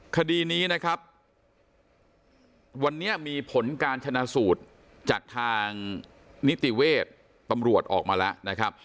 คดีนี้นะครับวันนี้มีผลการชนะสูตรจากทางนิติเวชตำรวจออกมาแล้วนะครับ